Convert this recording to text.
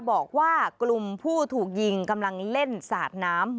บอกว่ากลุ่มผู้ถูกยิงกำลังเล่นสาดน้ำ